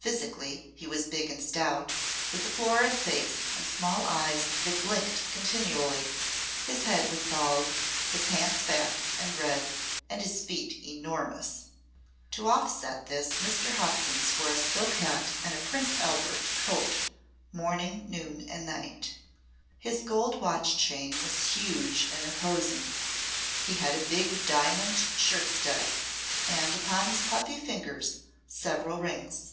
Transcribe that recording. Physically he was big and stout, with a florid face and small eyes that blinked continually. His head was bald, his hands fat and red and his feet enormous. To offset this Mr. Hopkins wore a silk hat and a "Prince Albert" coat morning, noon and night. His gold watch chain was huge and imposing; he had a big diamond shirt stud, and upon his puffy fingers several rings.